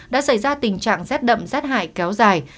đã xảy ra tình trạng z đậm z hại kéo dài